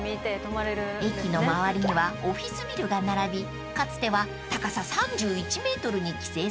［駅の周りにはオフィスビルが並びかつては高さ３１ｍに規制されていました］